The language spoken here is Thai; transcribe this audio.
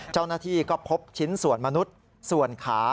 เจ้าหน้าที่ก็พบชิ้นส่วนมนุษย์ส่วนขา